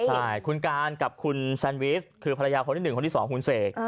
ใช่คุณการกับคุณแซนวิสคือภรรยาคนที่๑คนที่๒คุณเสก